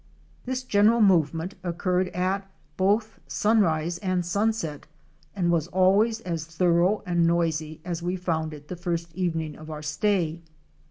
This general movement occurred at both sunrise and sun set and was always as thorough and noisy as we found it the first evening of our stay.